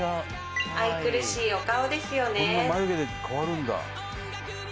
愛くるしいお顔ですよね